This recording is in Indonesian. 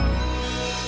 aku sudah berhenti